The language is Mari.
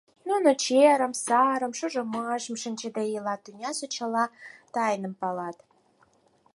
Нуно черым, сарым, шужымашым шинчыде илат, тӱнясе чыла тайным палат.